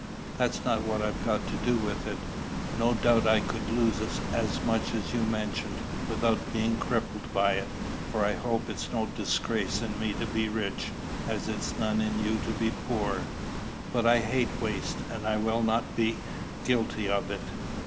That's not what I've got to do with it. No doubt I could lose as much as you mention, without being crippled by it, for I hope it's no disgrace in me to be rich, as it's none in you to be poor; but I hate waste, and I will not be guilty of it.